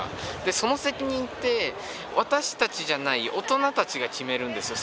その責任って私たちじゃない大人たちが決めるんですよ